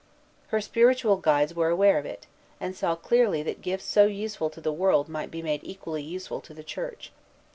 Her spiritual guides were aware of it, and saw clearly that gifts so useful to the world might be made equally useful to the Church.